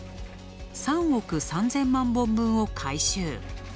３億３０００万本分を回収。